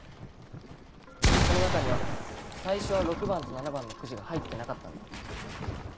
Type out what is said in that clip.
この中には最初は６番と７番のくじが入ってなかったんだ。